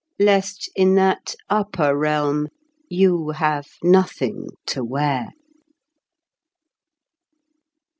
Lest in that upper realm you have nothing to wear!